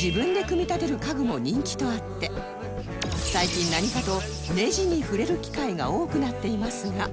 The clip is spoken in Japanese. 自分で組み立てる家具も人気とあって最近何かとネジに触れる機会が多くなっていますが